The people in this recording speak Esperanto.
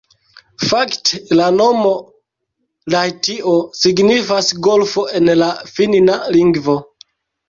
Fakte la nomo Lahtio signifas golfo en la finna lingvo.